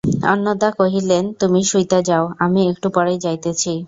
অন্নদা কহিলেন, তুমি শুইতে যাও, আমি একটু পরেই যাইতেছি।